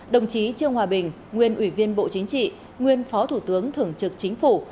đồng chí trương hòa bình nguyên ủy viên bộ chính trị nguyên phó thủ tướng thường trực chính phủ